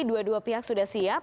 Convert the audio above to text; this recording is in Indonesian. dua dua pihak sudah siap